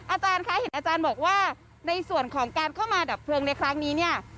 อาจารย์คะเห็นอาจารย์บอกว่าในส่วนของการเข้ามาดับเพลิงในครั้งนี้เนี่ย